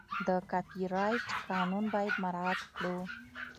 د کاپي رایټ قانون باید مراعت کړو.